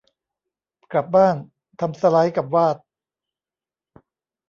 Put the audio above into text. กลับบ้าน ทำสไลด์กับวาด